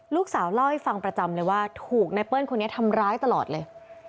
เล่าให้ฟังประจำเลยว่าถูกไนเปิ้ลคนนี้ทำร้ายตลอดเลย